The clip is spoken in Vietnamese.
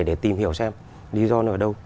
để tìm hiểu xem lý do nó ở đâu